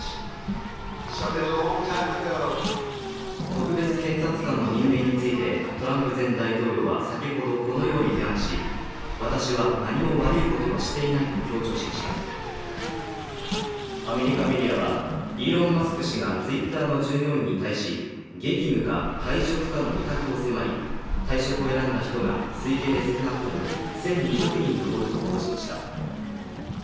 特別検察官の任命についてトランプ前大統領は先ほどこのように批判し私は何も悪いことはしていないと強調しましたアメリカメディアはイーロン・マスク氏がツイッターの従業員に対し激務か退職かの二択を迫り退職を選んだ人が推計で少なくとも１２００人に上ると報じました